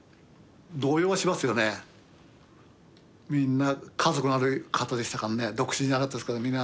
みんな家族のある方でしたからね独身じゃなかったですから。